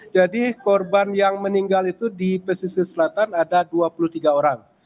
jadi korban yang meninggal itu di pesisir selatan ada dua puluh tiga orang